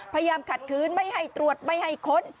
พยายามขัดคืนไม่ให้ตรวจไม่ให้ค้น